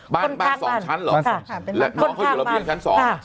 บ้าน๒ชั้นเหรอน้องเขาอยู่ระเบียงชั้น๒